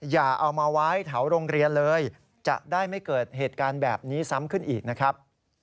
อย่าเอามาไว้แถวโรงเรียนเลยจะได้ไม่เกิดเหตุการณ์แบบนี้ซ้ำขึ้นอีกนะครับ